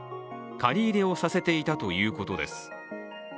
借り入れをさせていたということです。